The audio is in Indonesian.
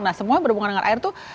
nah semua berhubungan dengan air itu